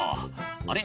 「あれ？